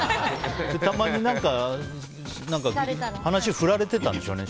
たまに話を振られてたんでしょうね